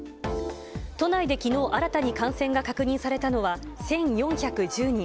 都内できのう新たに感染が確認されたのは１４１０人。